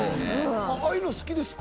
ああいうの好きですか？